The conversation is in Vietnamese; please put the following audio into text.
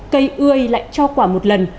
cây ươi lại cho quả một lần